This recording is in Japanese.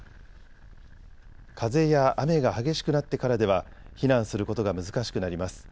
風や雨が激しくなってからでは避難することが難しくなります。